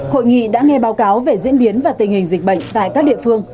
hội nghị đã nghe báo cáo về diễn biến và tình hình dịch bệnh tại các địa phương